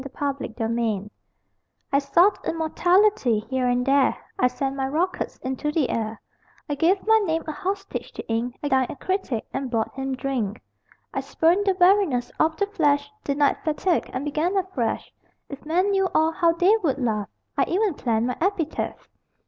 THE CRIB I sought immortality Here and there I sent my rockets Into the air: I gave my name A hostage to ink; I dined a critic And bought him drink. I spurned the weariness Of the flesh; Denied fatigue And began afresh If men knew all, How they would laugh! I even planned My epitaph....